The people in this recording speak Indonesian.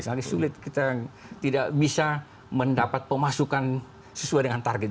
saling sulit kita tidak bisa mendapat pemasukan sesuai dengan target